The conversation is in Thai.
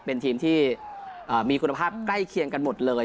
เป็นทีมที่มีคุณภาพใกล้เคียงกันหมดเลย